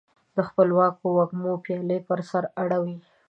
د خپلواکو وږمو پیالي پر سر اړوي